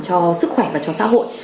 cho sức khỏe và cho xã hội